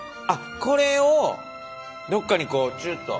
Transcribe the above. これをどっかにチュッと。